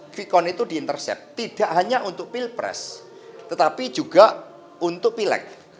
quick count itu di intercept tidak hanya untuk pilpres tetapi juga untuk pileg